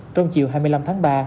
trong chiều hai mươi năm tháng ba